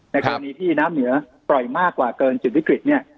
กรณีที่น้ำเหนือปล่อยมากกว่าเกินจุดวิกฤตเนี่ย